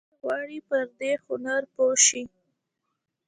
دوی غواړي پر دې هنر پوه شي.